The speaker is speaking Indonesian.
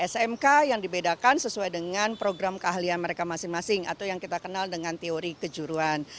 smk yang dibedakan sesuai dengan program keahlian mereka masing masing atau yang kita kenal dengan teori kejuruan